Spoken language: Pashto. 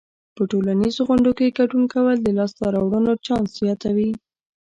په ټولنیزو غونډو کې ګډون کول د لاسته راوړنو چانس زیاتوي.